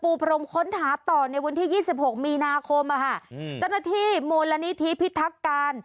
ปูพรมค้นหาต่อในวันที่๒๖มีนาคมตั้งแต่ที่มูลนิธิพิทักษ์การ